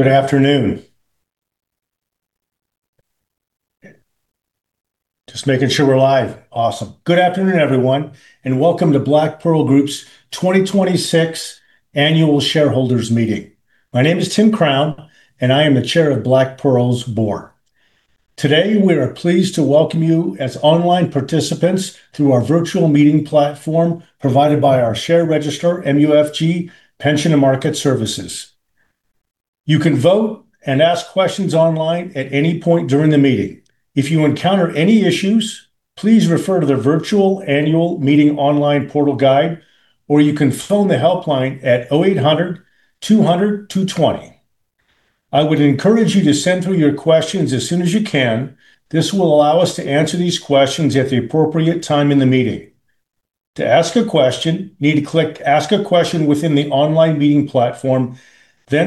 Good afternoon. Just making sure we're live. Awesome. Good afternoon, everyone, and welcome to Black Pearl Group's 2026 Annual Shareholders Meeting. My name is Tim Crown, I am the Chair of Black Pearl's board. Today, we are pleased to welcome you as online participants through our virtual meeting platform provided by our share register, MUFG Pension & Market Services. You can vote and ask questions online at any point during the meeting. If you encounter any issues, please refer to the virtual annual meeting online portal guide, or you can phone the helpline at 0800 200 220. I would encourage you to send through your questions as soon as you can. This will allow us to answer these questions at the appropriate time in the meeting. To ask a question, you need to click Ask a Question within the online meeting platform,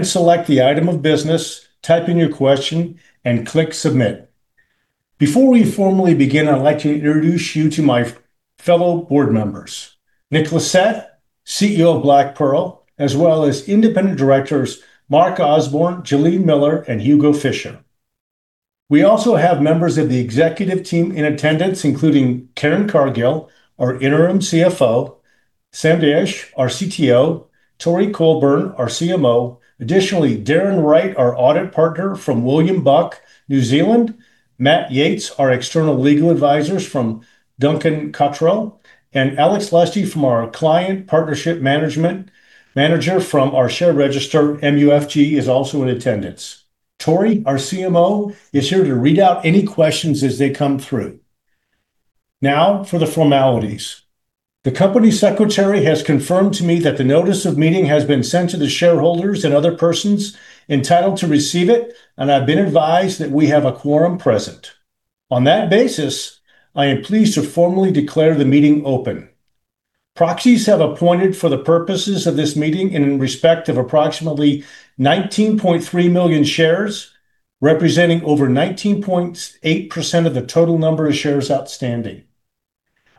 select the item of business, type in your question, and click Submit. Before we formally begin, I'd like to introduce you to my fellow board members. Nick Lissette, CEO of Black Pearl, as well as independent directors Mark Osborne, Jyllene Miller, and Hugo Fisher. We also have members of the executive team in attendance, including Karen Cargill, our Interim CFO; Sam Daish, our CTO; Tori Colebourne, our CMO. Additionally, Darren Wright, our audit partner from William Buck New Zealand; Matt Yates, our external legal advisors from Duncan Cotterill; Alex Lusty, from our client partnership manager from our share register, MUFG, is also in attendance. Tori, our CMO, is here to read out any questions as they come through. Now, for the formalities. The company secretary has confirmed to me that the Notice of Meeting has been sent to the shareholders and other persons entitled to receive it, I've been advised that we have a quorum present. On that basis, I am pleased to formally declare the meeting open. Proxies have appointed for the purposes of this meeting in respect of approximately 19.3 million shares, representing over 19.8% of the total number of shares outstanding.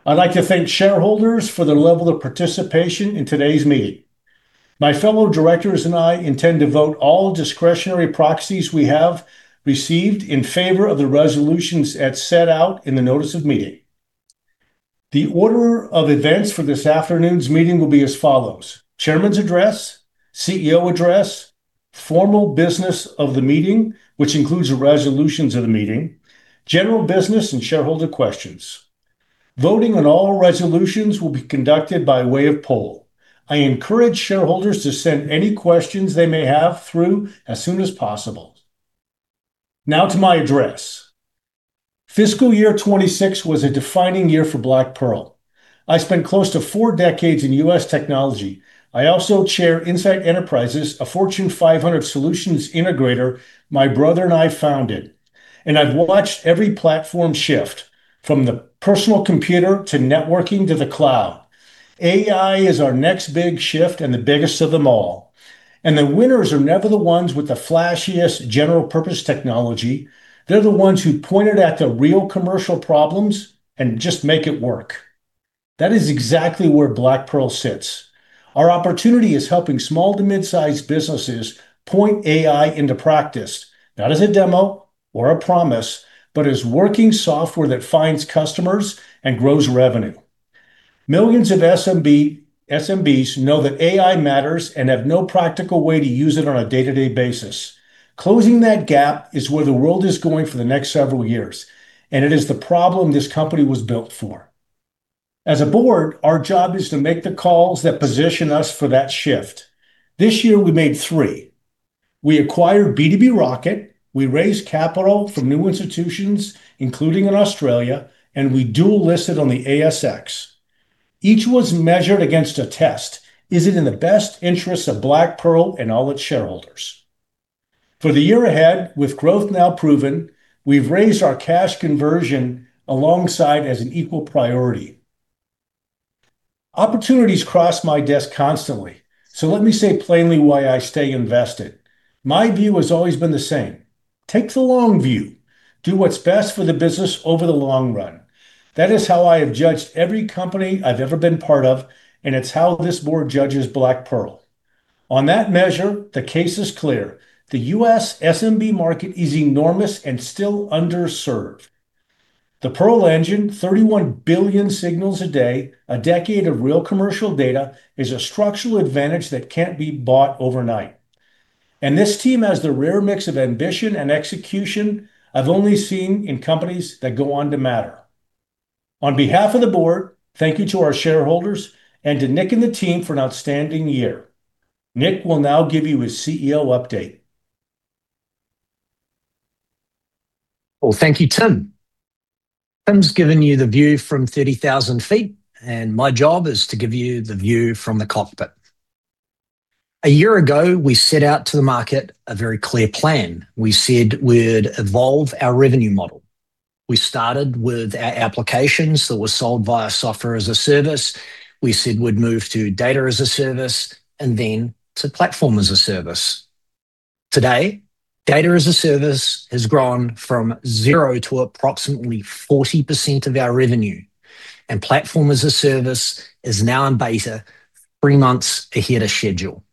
I'd like to thank shareholders for their level of participation in today's meeting. My fellow directors and I intend to vote all discretionary proxies we have received in favor of the resolutions as set out in the Notice of Meeting. The order of events for this afternoon's meeting will be as follows. Chairman's address, CEO address, formal business of the meeting, which includes the resolutions of the meeting, general business, and shareholder questions. Voting on all resolutions will be conducted by way of poll. I encourage shareholders to send any questions they may have through as soon as possible. Now, to my address. Fiscal year 2026 was a defining year for Black Pearl. I spent close to four decades in U.S. technology. I also chair Insight Enterprises, a Fortune 500 solutions integrator my brother and I founded. I've watched every platform shift, from the personal computer to networking to the cloud. AI is our next big shift. The biggest of them all. The winners are never the ones with the flashiest general purpose technology. They're the ones who point it at the real commercial problems and just make it work. That is exactly where Black Pearl sits. Our opportunity is helping small to mid-size businesses point AI into practice, not as a demo or a promise, but as working software that finds customers and grows revenue. Millions of SMBs know that AI matters and have no practical way to use it on a day-to-day basis. Closing that gap is where the world is going for the next several years. It is the problem this company was built for. As a board, our job is to make the calls that position us for that shift. This year we made three. We acquired B2B Rocket. We raised capital from new institutions, including in Australia. We dual listed on the ASX. Each was measured against a test. Is it in the best interest of Black Pearl and all its shareholders? For the year ahead, with growth now proven, we've raised our cash conversion alongside as an equal priority. Opportunities cross my desk constantly. Let me say plainly why I stay invested. My view has always been the same. Take the long view. Do what's best for the business over the long run. That is how I have judged every company I've ever been part of. It's how this board judges Black Pearl. On that measure, the case is clear. The U.S. SMB market is enormous and still underserved. The Pearl Engine, 31 billion signals a day, a decade of real commercial data, is a structural advantage that can't be bought overnight. This team has the rare mix of ambition and execution I've only seen in companies that go on to matter. On behalf of the board, thank you to our shareholders and to Nick and the team for an outstanding year. Nick will now give you a CEO update. Thank you, Tim. Tim's given you the view from 30,000 ft. My job is to give you the view from the cockpit. A year ago, we set out to the market a very clear plan. We said we'd evolve our revenue model. We started with our applications that were sold via Software as a Service. We said Data as a Service and then to Platform as a Service. Today Data as a Service has grown from zero to approximately 40% of our revenue. Platform as a Service is now in beta, three months ahead of schedule.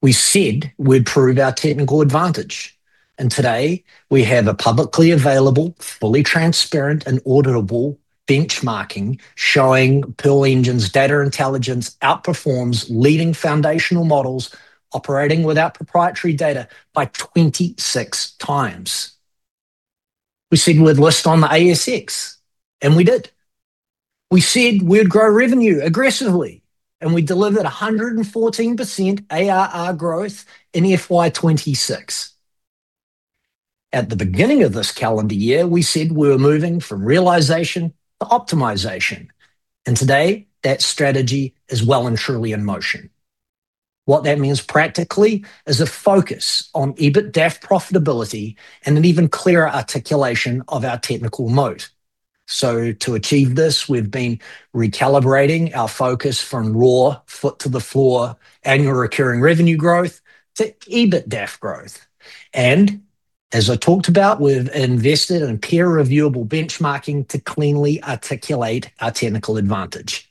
We said we'd prove our technical advantage. Today, we have a publicly available, fully transparent, and auditable benchmarking showing Pearl Engine's data intelligence outperforms leading foundational models operating without proprietary data by 26 times. We said we'd list on the ASX. We did. We said we'd grow revenue aggressively. We delivered 114% ARR growth in FY 2026. At the beginning of this calendar year, we said we were moving from realization to optimization. Today, that strategy is well and truly in motion. What that means practically is a focus on EBITDAF profitability and an even clearer articulation of our technical moat. To achieve this, we've been recalibrating our focus from raw foot-to-the-floor annual recurring revenue growth to EBITDAF growth. As I talked about, we've invested in peer reviewable benchmarking to cleanly articulate our technical advantage.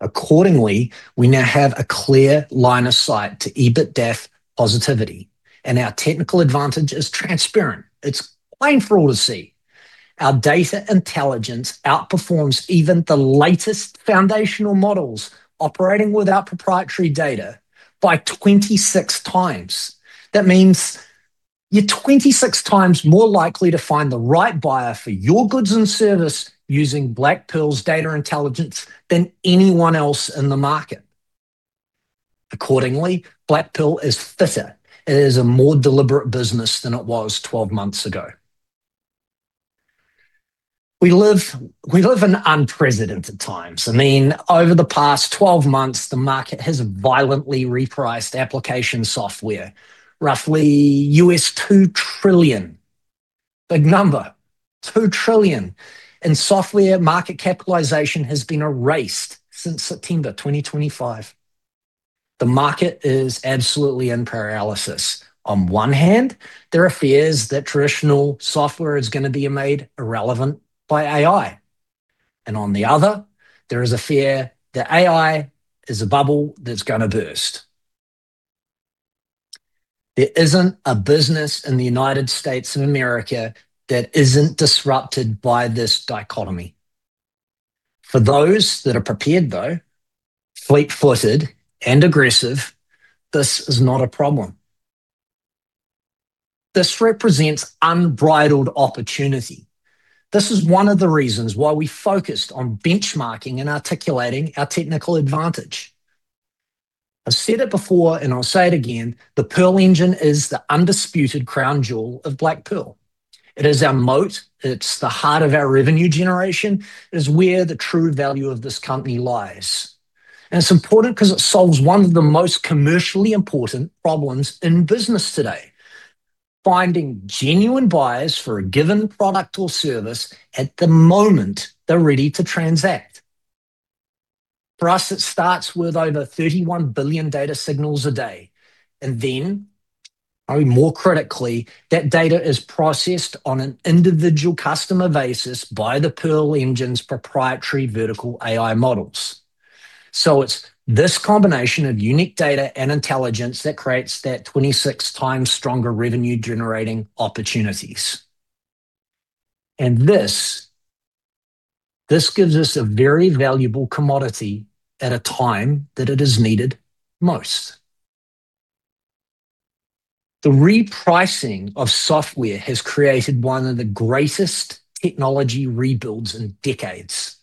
Accordingly, we now have a clear line of sight to EBITDAF positivity. Our technical advantage is transparent. It's plain for all to see. Our data intelligence outperforms even the latest foundational models operating without proprietary data by 26 times. That means you're 26 times more likely to find the right buyer for your goods and service using Black Pearl's data intelligence than anyone else in the market. Accordingly, Black Pearl is fitter. It is a more deliberate business than it was 12 months ago. We live in unprecedented times. I mean, over the past 12 months, the market has violently repriced application software. Roughly $2 trillion. Big number. $2 trillion in software market capitalization has been erased since September 2025. The market is absolutely in paralysis. On one hand, there are fears that traditional software is going to be made irrelevant by AI. On the other, there is a fear that AI is a bubble that's going to burst. There isn't a business in the U.S. that isn't disrupted by this dichotomy. For those that are prepared, though, fleet-footed and aggressive, this is not a problem. This represents unbridled opportunity. This is one of the reasons why we focused on benchmarking and articulating our technical advantage. I've said it before and I'll say it again, the Pearl Engine is the undisputed crown jewel of Black Pearl. It is our moat. It's the heart of our revenue generation. It is where the true value of this company lies. It's important because it solves one of the most commercially important problems in business today, finding genuine buyers for a given product or service at the moment they're ready to transact. For us, it starts with over 31 billion data signals a day. More critically, that data is processed on an individual customer basis by the Pearl Engine's proprietary vertical AI models. It's this combination of unique data and intelligence that creates that 26 times stronger revenue-generating opportunities. This gives us a very valuable commodity at a time that it is needed most. The repricing of software has created one of the greatest technology rebuilds in decades.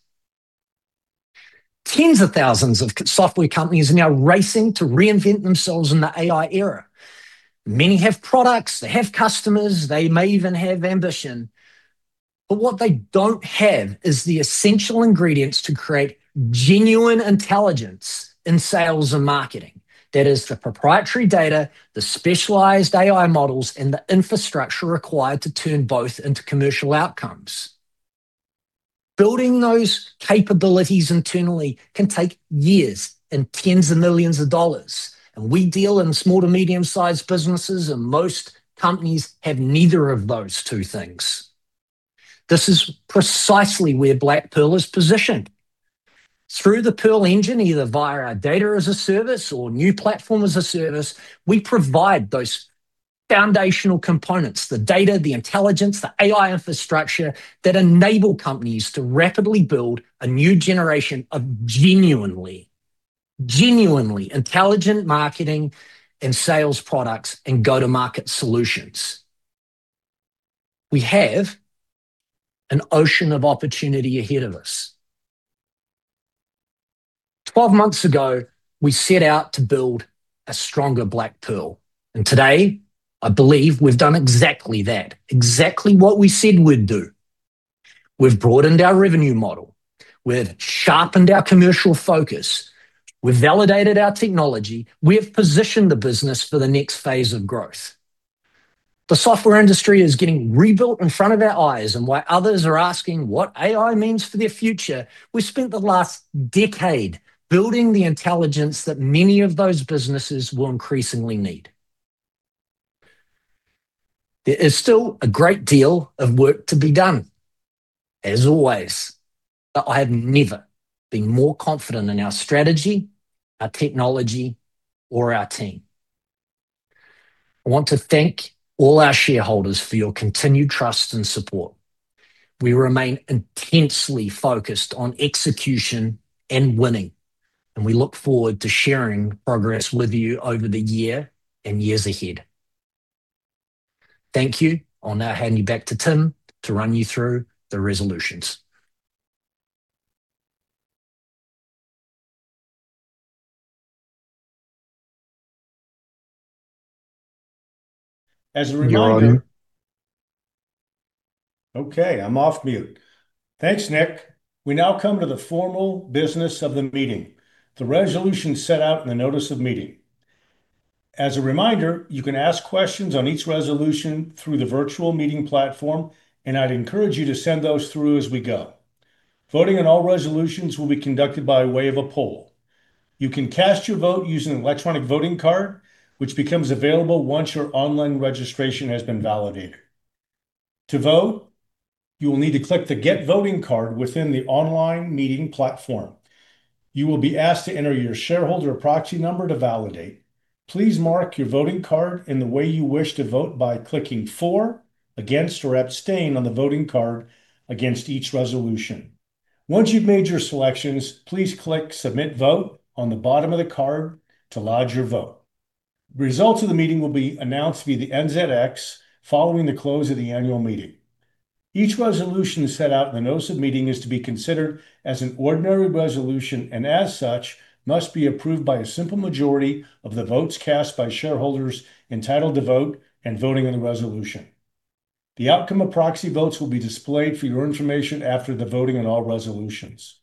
Tens of thousands of software companies are now racing to reinvent themselves in the AI era. Many have products, they have customers, they may even have ambition. What they don't have is the essential ingredients to create genuine intelligence in sales and marketing. That is the proprietary data, the specialized AI models, and the infrastructure required to turn both into commercial outcomes. Building those capabilities internally can take years and tens of millions of dollars. We deal in small to medium-sized businesses. Most companies have neither of those two things. This is precisely where Black Pearl is positioned. Through the Pearl Engine, either via our Data as a Service or new Platform as a Service, we provide those foundational components, the data, the intelligence, the AI infrastructure, that enable companies to rapidly build a new generation of genuinely intelligent marketing and sales products and go-to-market solutions. We have an ocean of opportunity ahead of us. 12 months ago, we set out to build a stronger Black Pearl. Today, I believe we've done exactly that. Exactly what we said we'd do. We've broadened our revenue model. We've sharpened our commercial focus. We've validated our technology. We have positioned the business for the next phase of growth. The software industry is getting rebuilt in front of our eyes. While others are asking what AI means for their future, we've spent the last decade building the intelligence that many of those businesses will increasingly need. There is still a great deal of work to be done. As always, I have never been more confident in our strategy, our technology, or our team. I want to thank all our shareholders for your continued trust and support. We remain intensely focused on execution and winning, and we look forward to sharing progress with you over the year and years ahead. Thank you. I will now hand you back to Tim to run you through the resolutions. As a reminder. You are on mute. I am off mute. Thanks, Nick. We now come to the formal business of the meeting, the resolution set out in the Notice of Meeting. As a reminder, you can ask questions on each resolution through the virtual meeting platform. I would encourage you to send those through as we go. Voting on all resolutions will be conducted by way of a poll. You can cast your vote using an electronic voting card, which becomes available once your online registration has been validated. To vote, you will need to click the Get Voting Card within the online meeting platform. You will be asked to enter your shareholder proxy number to validate. Please mark your voting card in the way you wish to vote by clicking For, Against, or Abstain on the voting card against each resolution. Once you've made your selections, please click Submit Vote on the bottom of the card to lodge your vote. Results of the meeting will be announced via the NZX following the close of the annual meeting. Each resolution set out in the Notice of Meeting is to be considered as an ordinary resolution, and as such, must be approved by a simple majority of the votes cast by shareholders entitled to vote and voting on the resolution. The outcome of proxy votes will be displayed for your information after the voting on all resolutions.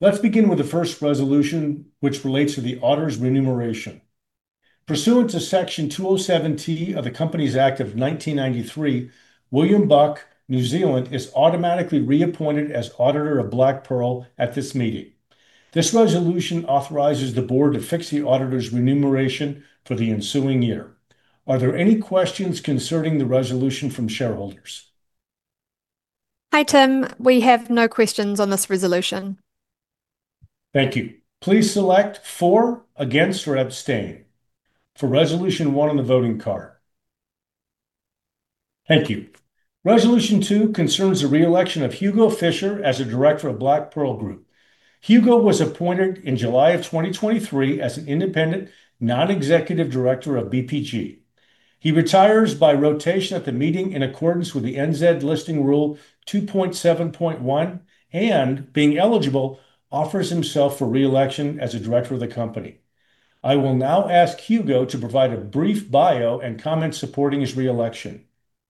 Let's begin with the first resolution, which relates to the auditor's remuneration. Pursuant to Section 207T of the Companies Act 1993, William Buck New Zealand is automatically reappointed as auditor of Black Pearl at this meeting. This resolution authorizes the board to fix the auditor's remuneration for the ensuing year. Are there any questions concerning the resolution from shareholders? Hi, Tim. We have no questions on this resolution. Thank you. Please select For, Against, or Abstain for Resolution 1 on the voting card. Thank you. Resolution 2 concerns the reelection of Hugo Fisher as a Director of Black Pearl Group. Hugo was appointed in July 2023 as an independent Non-Executive Director of BPG. He retires by rotation at the meeting in accordance with the NZX Listing Rule 2.7.1, and being eligible, offers himself for reelection as a director of the company. I will now ask Hugo to provide a brief bio and comment supporting his reelection.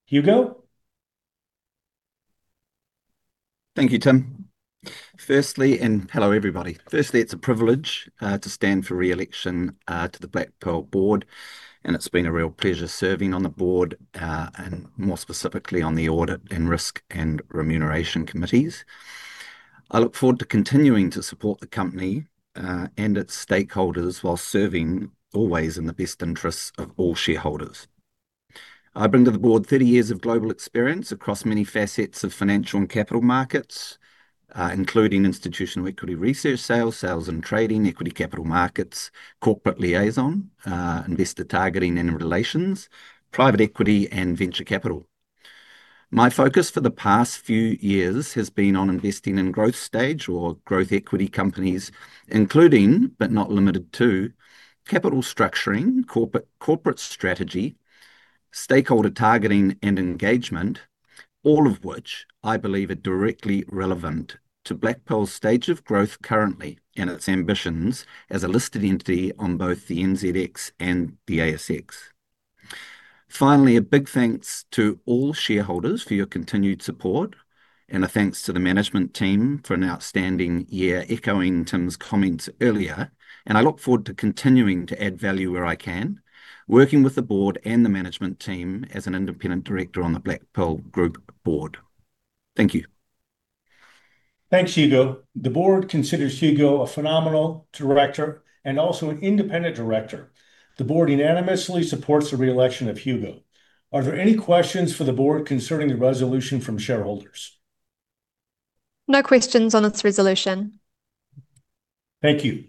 Hugo? Thank you, Tim. Hello, everybody. Firstly, it's a privilege to stand for reelection to the Black Pearl board, and it's been a real pleasure serving on the board, and more specifically, on the audit and risk and remuneration committees. I look forward to continuing to support the company, and its stakeholders, while serving always in the best interests of all shareholders. I bring to the board 30 years of global experience across many facets of financial and capital markets, including institutional equity research sales and trading, equity capital markets, corporate liaison, investor targeting and relations, private equity, and venture capital. My focus for the past few years has been on investing in growth stage or growth equity companies, including, but not limited to, capital structuring, corporate strategy, stakeholder targeting and engagement. All of which I believe are directly relevant to Black Pearl's stage of growth currently, and its ambitions as a listed entity on both the NZX and the ASX. Finally, a big thanks to all shareholders for your continued support, and a thanks to the management team for an outstanding year, echoing Tim's comments earlier. I look forward to continuing to add value where I can, working with the board and the management team as an independent director on the Black Pearl Group board. Thank you. Thanks, Hugo. The board considers Hugo a phenomenal director and also an independent director. The board unanimously supports the reelection of Hugo. Are there any questions for the board concerning the resolution from shareholders? No questions on this resolution. Thank you.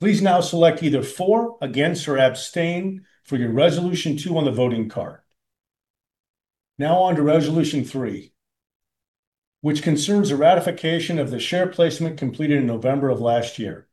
Please now select either For, Against, or Abstain for your Resolution 2 on the voting card. Now, on to Resolution 3, which concerns the ratification of the share placement completed in November of last year.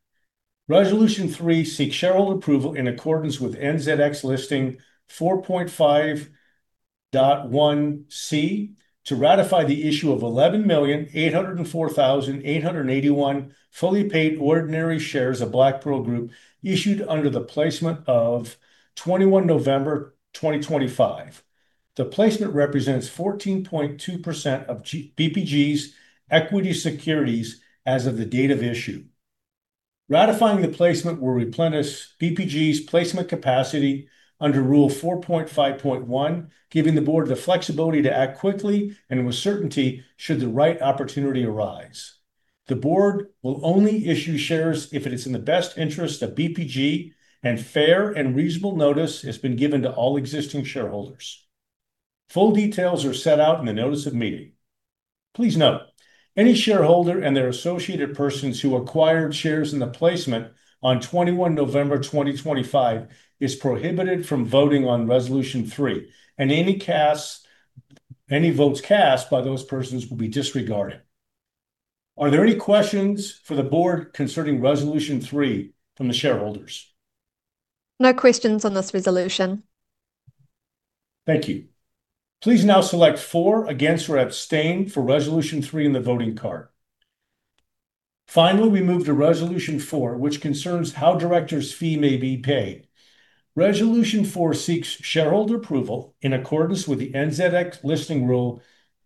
Resolution 3 seeks shareholder approval in accordance with NZX Listing Rule 4.5.1(c) to ratify the issue of 11,804,881 fully-paid ordinary shares of Black Pearl Group issued under the placement of 21 November 2025. The placement represents 14.2% of BPG's equity securities as of the date of issue. Ratifying the placement will replenish BPG's placement capacity under Rule 4.5.1, giving the board the flexibility to act quickly and with certainty should the right opportunity arise. The board will only issue shares if it is in the best interest of BPG and fair and reasonable notice has been given to all existing shareholders. Full details are set out in the Notice of Meeting. Please note any shareholder and their associated persons who acquired shares in the placement on 21 November 2025 is prohibited from voting on Resolution 3, and any votes cast by those persons will be disregarded. Are there any questions for the board concerning Resolution 3 from the shareholders? No questions on this resolution. Thank you. Please now select For, Against, or Abstain for Resolution 3 in the voting card. Finally, we move to Resolution 4, which concerns how director's fee may be paid. Resolution 4 seeks shareholder approval in accordance with the NZX Listing Rule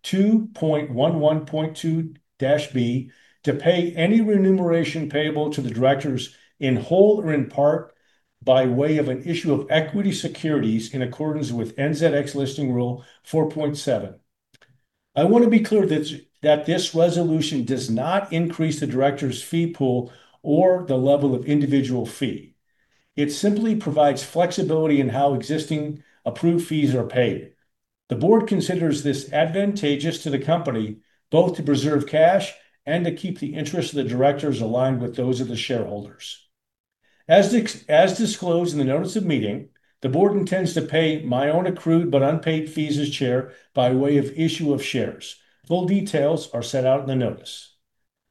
2.11.2(b) to pay any remuneration payable to the directors in whole or in part by way of an issue of equity securities in accordance with NZX Listing Rule 4.7. I want to be clear that this resolution does not increase the director's fee pool or the level of individual fee. It simply provides flexibility in how existing approved fees are paid. The board considers this advantageous to the company, both to preserve cash and to keep the interest of the directors aligned with those of the shareholders. As disclosed in the Notice of Meeting, the board intends to pay my own accrued but unpaid fees as chair by way of issue of shares. Full details are set out in the Notice.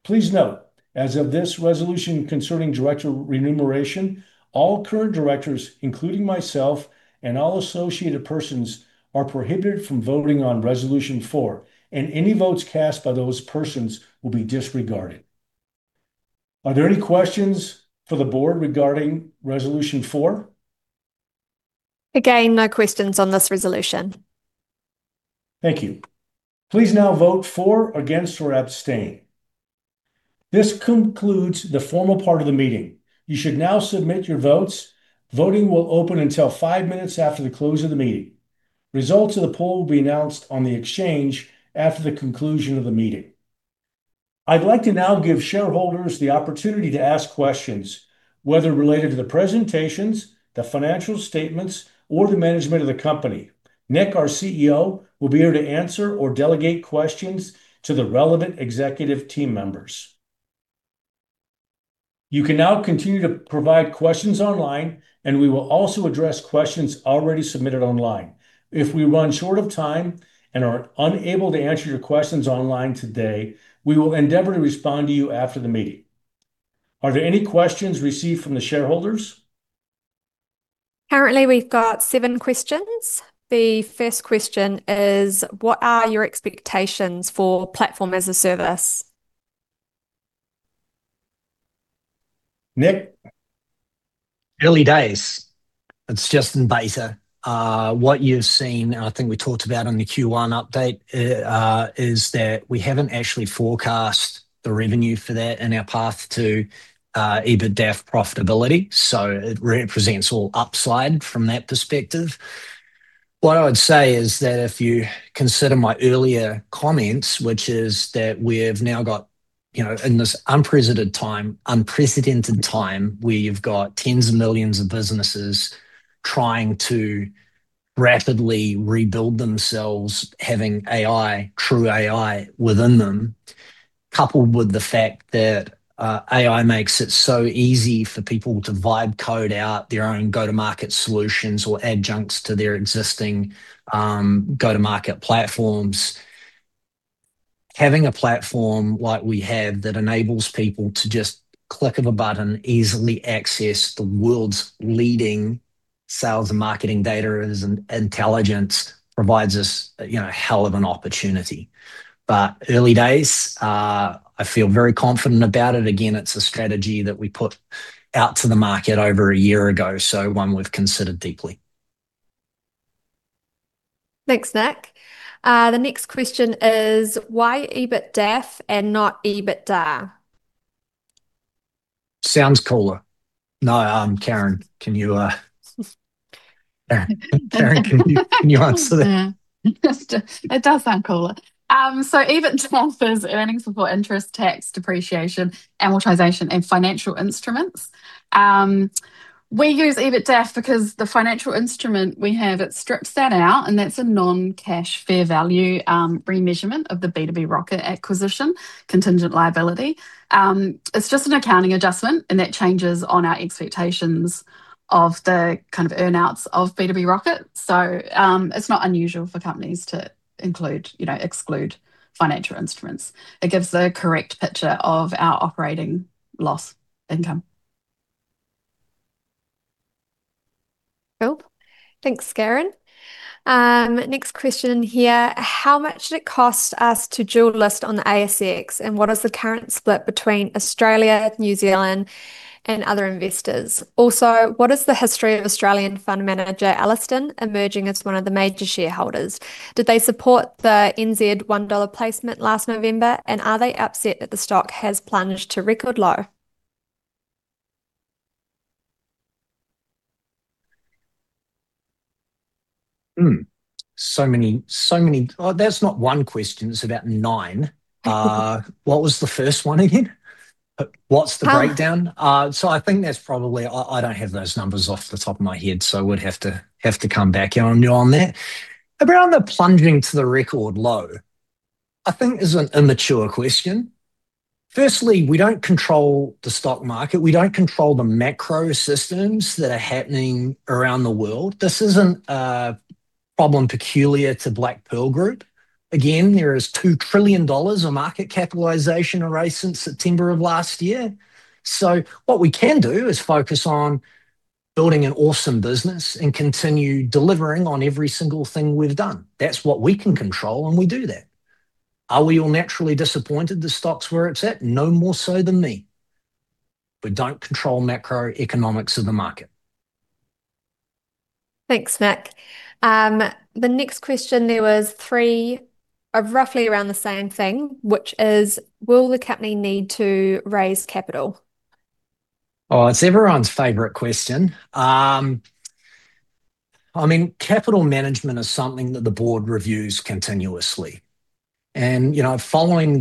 Please note, as of this resolution concerning director remuneration, all current directors, including myself and all associated persons, are prohibited from voting on Resolution 4, and any votes cast by those persons will be disregarded. Are there any questions for the board regarding Resolution 4? No questions on this resolution. Thank you. Please now vote For, Against, or Abstain. This concludes the formal part of the meeting. You should now submit your votes. Voting will open until five minutes after the close of the meeting. Results of the poll will be announced on the exchange after the conclusion of the meeting. I'd like to now give shareholders the opportunity to ask questions, whether related to the presentations, the financial statements, or the management of the company. Nick, our CEO, will be here to answer or delegate questions to the relevant executive team members. You can now continue to provide questions online, and we will also address questions already submitted online. If we run short of time and are unable to answer your questions online today, we will endeavor to respond to you after the meeting. Are there any questions received from the shareholders? Currently, we've got seven questions. The first question is, what are your expectations for Platform as a Service? Nick? Early days. It's just in beta. What you've seen, I think we talked about on the Q1 update, is that we haven't actually forecast the revenue for that in our path to EBITDAF profitability. It represents all upside from that perspective. What I would say is that if you consider my earlier comments, which is that we've now got, in this unprecedented time, where you've got tens of millions of businesses trying to rapidly rebuild themselves, having AI, true AI, within them, coupled with the fact that AI makes it so easy for people to vibe code out their own go-to-market solutions or adjuncts to their existing go-to-market platforms. Having a platform like we have that enables people to just click of a button, easily access the world's leading sales and marketing data is intelligence provides us a hell of an opportunity. Early days. I feel very confident about it. Again, it's a strategy that we put out to the market over a year ago, one we've considered deeply. Thanks, Nick. The next question is, why EBITDAF and not EBITDA? Sounds cooler. No, Karen, can you answer that? It does sound cooler. EBITDAF is earnings before interest, tax, depreciation, amortization, and financial instruments. We use EBITDAF because the financial instrument we have, it strips that out, and that's a non-cash fair value remeasurement of the B2B Rocket acquisition contingent liability. It's just an accounting adjustment, and that changes on our expectations of the kind of earn-outs of B2B Rocket. It's not unusual for companies to exclude financial instruments. It gives the correct picture of our operating loss income. Cool. Thanks, Karen. Next question here. How much did it cost us to dual list on the ASX, and what is the current split between Australia, New Zealand, and other investors? Also, what is the history of Australian fund manager, Ellerston, emerging as one of the major shareholders? Did they support the 1 NZ dollar placement last November, and are they upset that the stock has plunged to record low? So many. That's not one question, it's about nine. What was the first one again? What's the breakdown? I don't have those numbers off the top of my head, I would have to come back on you on that. Around the plunging to the record low, I think is an immature question. Firstly, we don't control the stock market. We don't control the macro systems that are happening around the world. This isn't a problem peculiar to Black Pearl Group. Again, there is $2 trillion of market capitalization erased since September of last year. What we can do is focus on building an awesome business and continue delivering on every single thing we've done. That's what we can control, and we do that. Are we all naturally disappointed the stock's where it's at? No more so than me. We don't control macroeconomics of the market. Thanks, Nick. The next question there was three, are roughly around the same thing, which is, will the company need to raise capital? It's everyone's favorite question. Capital management is something that the board reviews continuously. Following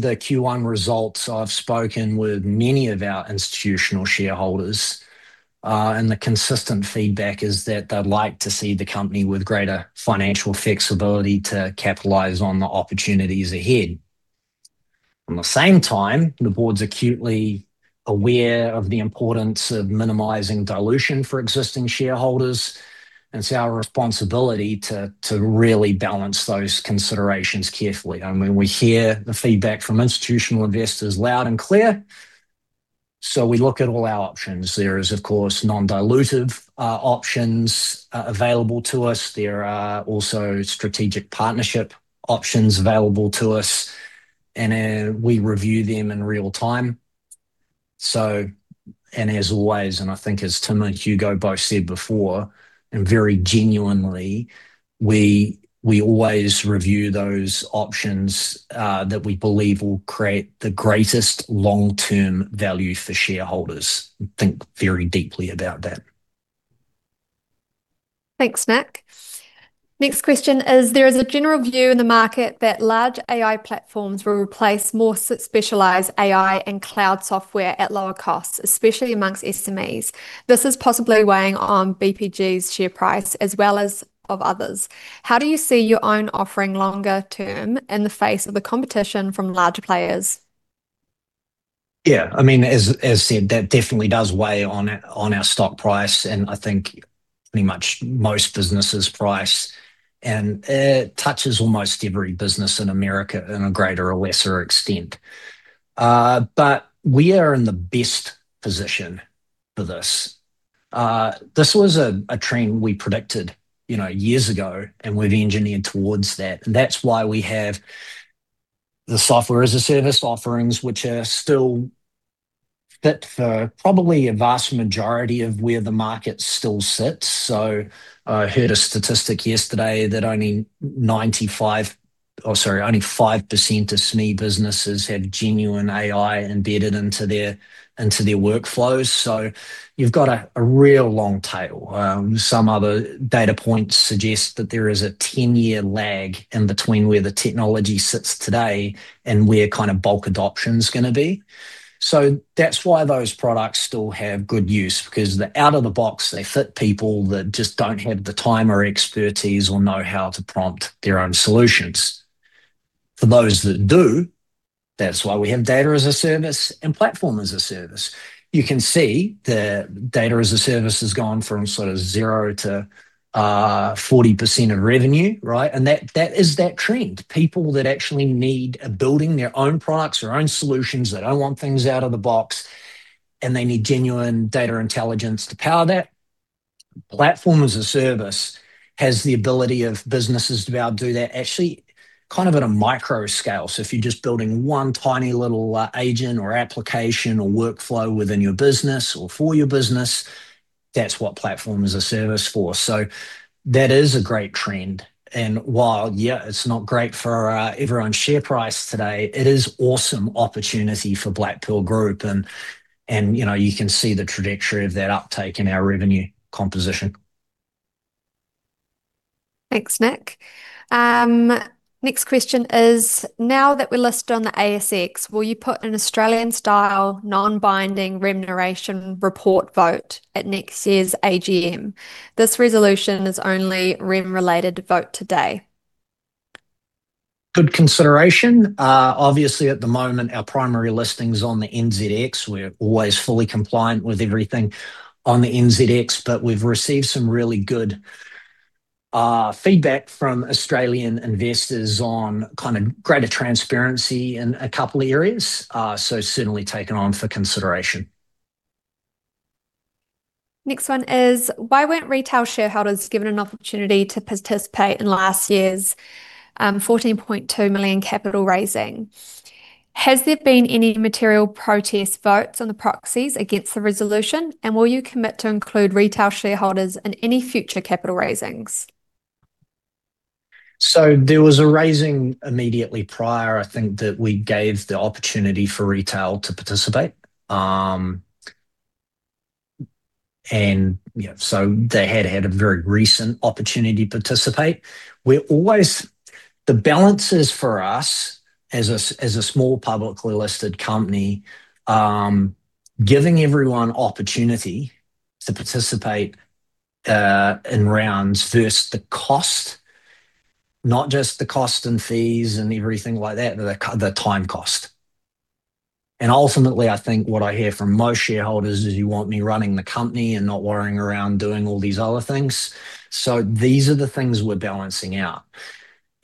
the Q1 results, I've spoken with many of our institutional shareholders, and the consistent feedback is that they'd like to see the company with greater financial flexibility to capitalize on the opportunities ahead. At the same time, the board's acutely aware of the importance of minimizing dilution for existing shareholders, and it's our responsibility to really balance those considerations carefully. We hear the feedback from institutional investors loud and clear. We look at all our options. There is, of course, non-dilutive options available to us. There are also strategic partnership options available to us, and we review them in real time. As always, and I think as Tim and Hugo both said before, and very genuinely, we always review those options that we believe will create the greatest long-term value for shareholders. Think very deeply about that. Thanks, Nick. Next question is, there is a general view in the market that large AI platforms will replace more specialized AI and cloud software at lower costs, especially amongst SMEs. This is possibly weighing on BPG's share price as well as of others. How do you see your own offering longer term in the face of the competition from larger players? As said, that definitely does weigh on our stock price, and I think pretty much most businesses' price. It touches almost every business in America in a greater or lesser extent. We are in the best position for this. This was a trend we predicted years ago, and we've engineered towards that. That's why we have the Software as a Service offerings, which are still fit for probably a vast majority of where the market still sits. I heard a statistic yesterday that only 5% of SME businesses have genuine AI embedded into their workflows. You've got a real long tail. Some other data points suggest that there is a 10-year lag in between where the technology sits today and where kind of bulk adoption's going to be. That's why those products still have good use, because they're out of the box, they fit people that just don't have the time or expertise or know-how to prompt their own solutions. For those that do, that's Data as a Service and platform as a service. you Data as a Service has gone from sort of 0% to 40% of revenue. That is that trend. People that actually need building their own products, their own solutions. They don't want things out of the box, and they need genuine data intelligence to power that. Platform as a Service has the ability of businesses to be able to do that, actually kind of at a micro scale. If you're just building one tiny little agent or application or workflow within your business or for your business, that's what Platform as a Service for. That is a great trend. While t's not great for everyone's share price today, it is awesome opportunity for Black Pearl Group. You can see the trajectory of that uptake in our revenue composition. Thanks, Nick. Next question is, now that we're listed on the ASX, will you put an Australian-style, non-binding remuneration report vote at next year's AGM? This resolution is only REM-related vote today. Good consideration. Obviously, at the moment, our primary listing's on the NZX. We're always fully compliant with everything on the NZX. We've received some really good feedback from Australian investors on kind of greater transparency in a couple of areas. Certainly taken on for consideration. Next one is, why weren't retail shareholders given an opportunity to participate in last year's $14.2 million capital raising? Has there been any material protest votes on the proxies against the resolution, and will you commit to include retail shareholders in any future capital raisings? There was a raising immediately prior, I think, that we gave the opportunity for retail to participate. So they had had a very recent opportunity to participate. The balance is for us, as a small publicly-listed company, giving everyone opportunity to participate in rounds versus the cost. Not just the cost and fees and everything like that, but the time cost. Ultimately, I think what I hear from most shareholders is you want me running the company and not worrying around doing all these other things. These are the things we're balancing out.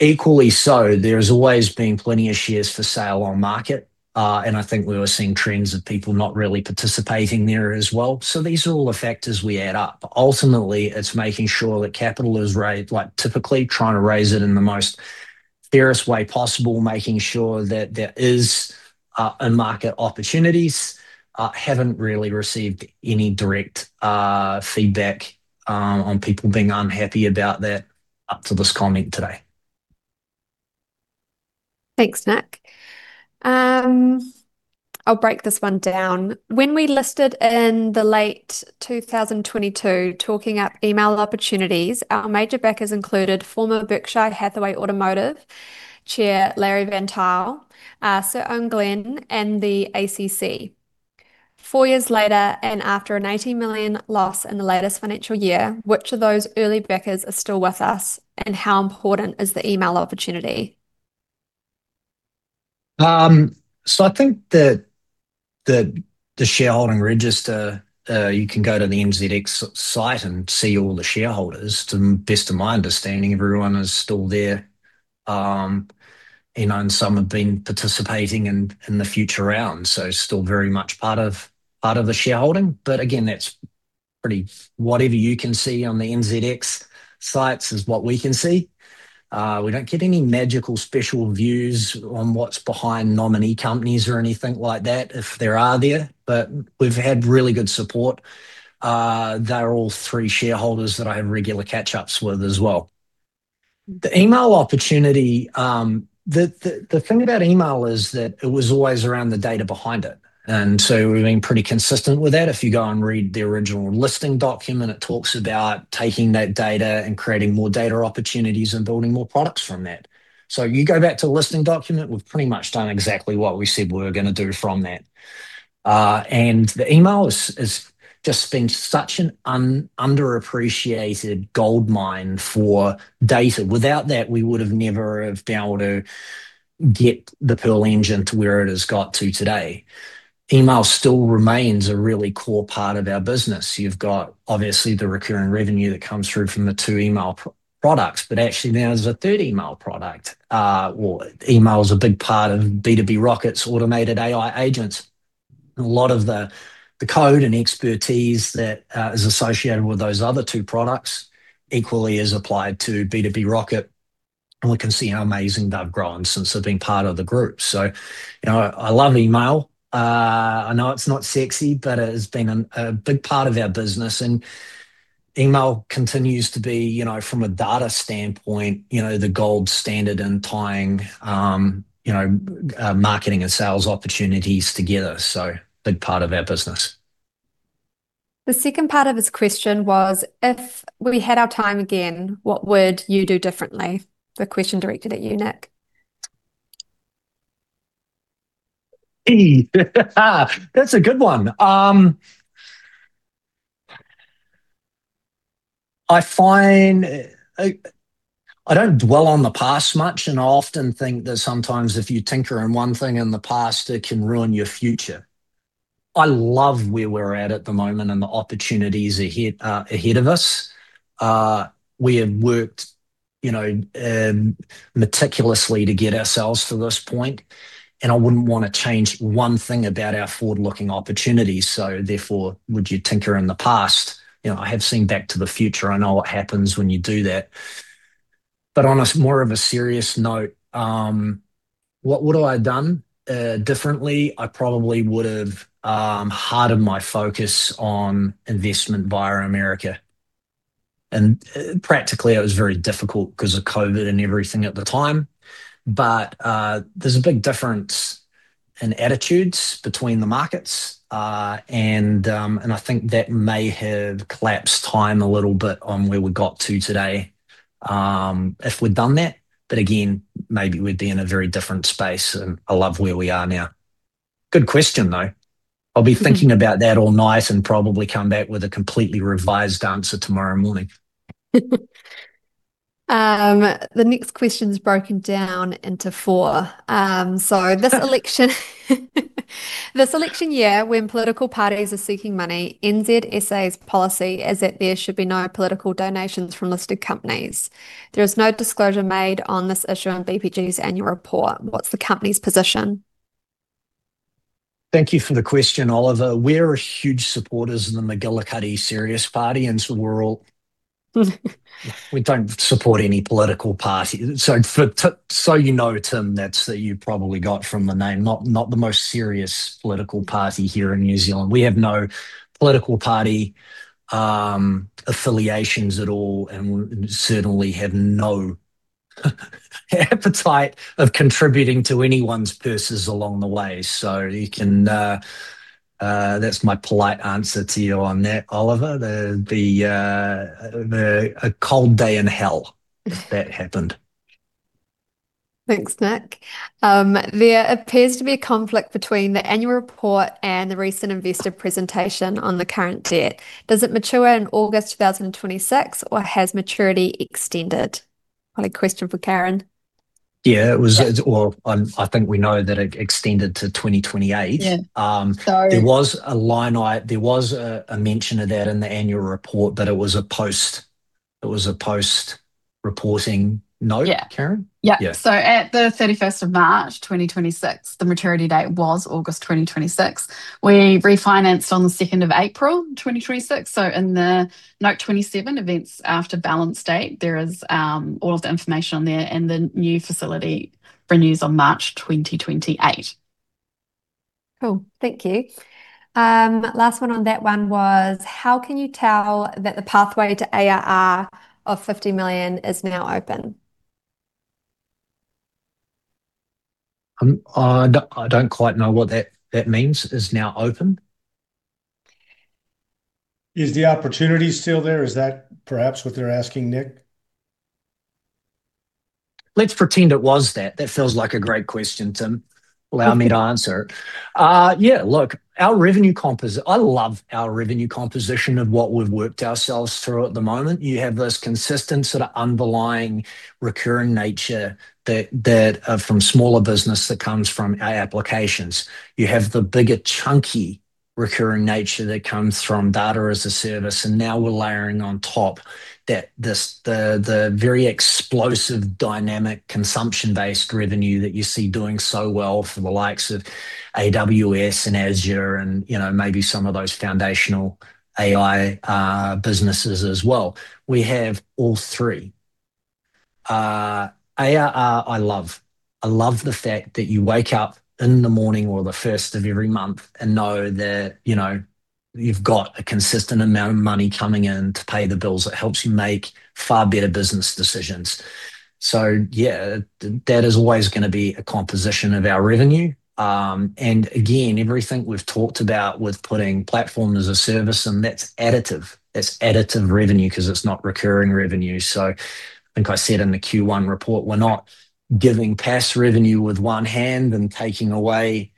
Equally so, there's always been plenty of shares for sale on market. I think we were seeing trends of people not really participating there as well. These are all the factors we add up. Ultimately, it's making sure that capital is raised, typically trying to raise it in the most fairest way possible, making sure that there is a market opportunities. Haven't really received any direct feedback on people being unhappy about that, up to this comment today. Thanks, Nick. I'll break this one down. When we listed in the late 2022, talking up email opportunities, our major backers included former Berkshire Hathaway Automotive Chair Larry Van Tuyl, Sir Owen Glenn, and the ACC. Four years later, after an $80 million loss in the latest financial year, which of those early backers are still with us, and how important is the email opportunity? I think the shareholding register, you can go to the NZX site and see all the shareholders. To the best of my understanding, everyone is still there. Some have been participating in the future rounds, so still very much part of the shareholding. Again, whatever you can see on the NZX sites is what we can see. We don't get any magical special views on what's behind nominee companies or anything like that, if there are there. We've had really good support. They're all three shareholders that I have regular catch-ups with as well. The email opportunity. The thing about email is that it was always around the data behind it. We've been pretty consistent with that. If you go and read the original listing document, it talks about taking that data and creating more data opportunities and building more products from that. You go back to the listing document, we've pretty much done exactly what we said we were going to do from that. The email has just been such an underappreciated goldmine for data. Without that, we would have never have been able to get the Pearl Engine to where it has got to today. Email still remains a really core part of our business. You've got obviously the recurring revenue that comes through from the two email products, but actually now there's a third email product. Well, email's a big part of B2B Rocket's automated AI agents, and a lot of the code and expertise that is associated with those other two products equally is applied to B2B Rocket. We can see how amazing they've grown since they've been part of the group. I love email. I know it's not sexy, but it has been a big part of our business, email continues to be, from a data standpoint, the gold standard in tying marketing and sales opportunities together. Big part of our business. The second part of his question was, if we had our time again, what would you do differently? The question directed at you, Nick. That's a good one. I don't dwell on the past much. I often think that sometimes if you tinker in one thing in the past, it can ruin your future. I love where we're at at the moment and the opportunities ahead of us. We have worked meticulously to get ourselves to this point. I wouldn't want to change one thing about our forward-looking opportunities. Therefore, would you tinker in the past? I have seen "Back to the Future." I know what happens when you do that. On a more of a serious note, what would I have done differently? I probably would've hardened my focus on investment via America. Practically, it was very difficult because of COVID and everything at the time. There's a big difference in attitudes between the markets. I think that may have collapsed time a little bit on where we got to today, if we'd done that. Again, maybe we'd be in a very different space. I love where we are now. Good question, though. I'll be thinking about that all night and probably come back with a completely revised answer tomorrow morning. The next question's broken down into four. This election year, when political parties are seeking money, NZX/ASX's policy is that there should be no political donations from listed companies. There is no disclosure made on this issue on BPG's annual report. What's the company's position? Thank you for the question, Oliver. We're huge supporters of the McGillicuddy Serious Party. We don't support any political party. You know, Tim, that you probably got from the name, not the most serious political party here in New Zealand. We have no political party affiliations at all, and we certainly have no appetite of contributing to anyone's purses along the way. That's my polite answer to you on that, Oliver. It'd be a cold day in hell if that happened. Thanks, Nick. There appears to be a conflict between the annual report and the recent investor presentation on the current debt. Does it mature in August 2026, or has maturity extended? What a question for Karen. Well, I think we know that it extended to 2028. There was a mention of that in the annual report. It was a post-reporting note. Karen? At the 31st of March 2026, the maturity date was August 2026. We refinanced on the 2nd of April 2026. In the Note 27 events after balance date, there is all of the information on there. The new facility renews on March 2028. Cool. Thank you. Last one on that one was, how can you tell that the pathway to ARR of $50 million is now open? I don't quite know what that means, is now open. Is the opportunity still there? Is that perhaps what they're asking, Nick? It feels like a great question. Look, I love our revenue composition of what we've worked ourselves through at the moment. You have this consistent sort of underlying recurring nature that are from smaller business that comes from our applications. You have the bigger chunky recurring nature that comes from Data as a Service, and now we're layering on top the very explosive, dynamic, consumption-based revenue that you see doing so well for the likes of AWS and Azure and maybe some of those foundational AI businesses as well. We have all three. ARR, I love. I love the fact that you wake up in the morning or the 1st of every month and know that you've got a consistent amount of money coming in to pay the bills. It helps you make far better business decisions. That is always going to be a composition of our revenue. Again, everything we've talked about with putting Platform as a Service, and that's additive. It's additive revenue because it's not recurring revenue. I think I said in the Q1 report, we're not giving PaaS revenue with one hand and taking away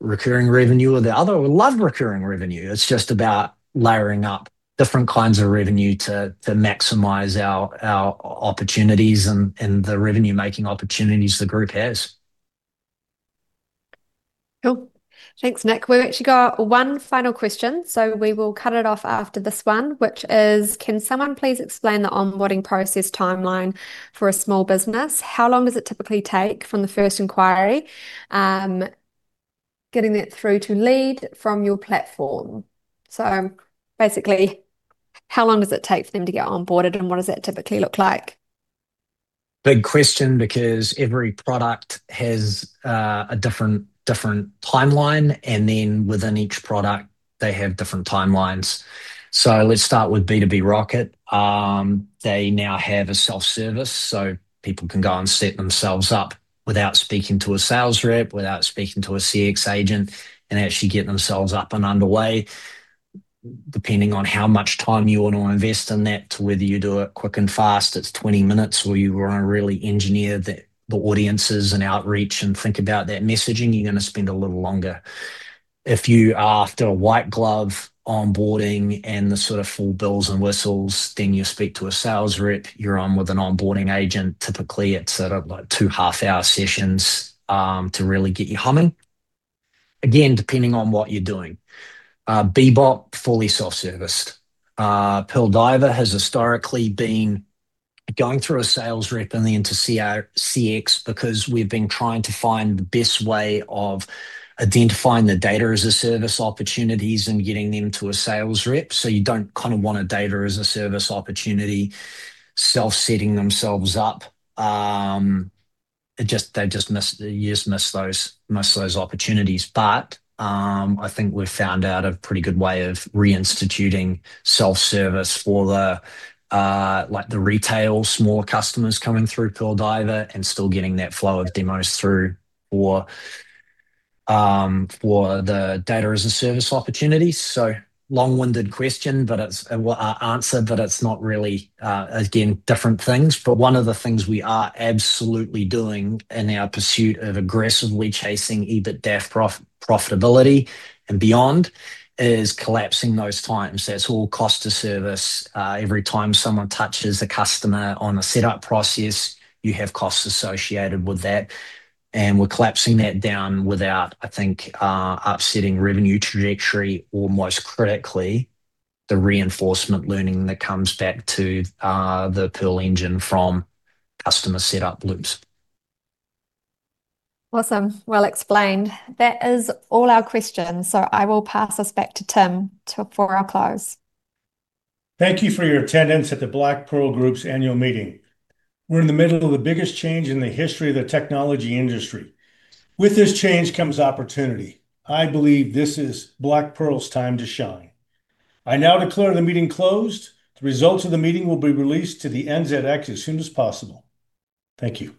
recurring revenue with the other. We love recurring revenue. It's just about layering up different kinds of revenue to maximize our opportunities and the revenue-making opportunities the group has. Cool. Thanks, Nick. We've actually got one final question. We will cut it off after this one, which is, can someone please explain the onboarding process timeline for a small business? How long does it typically take from the first inquiry, getting that through to lead from your platform? Basically, how long does it take for them to get onboarded, and what does that typically look like? Big question because every product has a different timeline, and then within each product, they have different timelines. Let's start with B2B Rocket. They now have a self-service, so people can go and set themselves up without speaking to a sales rep, without speaking to a CX agent, and actually get themselves up and underway. Depending on how much time you want to invest in that to whether you do it quick and fast, it's 20 minutes, or you want to really engineer the audiences and outreach and think about that messaging, you're going to spend a little longer. If you are after a white glove onboarding and the sort of full bells and whistles, you speak to a sales rep. You're on with an onboarding agent. Typically, it's two half-hour sessions to really get you humming. Again, depending on what you're doing. Bebop, fully self-serviced. Pearl Diver has historically been going through a sales rep and then to CX because we've been trying to find the best way of identifying the Data as a Service opportunities and getting them to a sales rep. You don't want a Data as a Service opportunity self-setting themselves up. You just miss those opportunities. I think we've found out a pretty good way of reinstituting self-service for the retail, smaller customers coming through Pearl Diver and still getting that flow of demos through for the Data as a Service opportunity. Long-winded answer, but it's not really, again, different things. One of the things we are absolutely doing in our pursuit of aggressively chasing EBITDAF profitability and beyond is collapsing those times. That's all cost to service. Every time someone touches a customer on a setup process, you have costs associated with that. We're collapsing that down without, I think, upsetting revenue trajectory or, most critically, the reinforcement learning that comes back to the Pearl Engine from customer setup loops. Awesome. Well explained. That is all our questions. I will pass us back to Tim for our close. Thank you for your attendance at the Black Pearl Group's annual meeting. We're in the middle of the biggest change in the history of the technology industry. With this change comes opportunity. I believe this is Black Pearl's time to shine. I now declare the meeting closed. The results of the meeting will be released to the NZX as soon as possible. Thank you.